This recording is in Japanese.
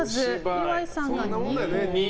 岩井さんが２。